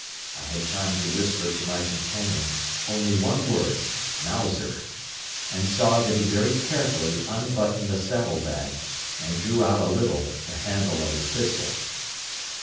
I had time to whisper to my companion only one word: "Mauser," and saw that he very carefully unbuttoned the saddle bag and drew out a little the handle of his pistol.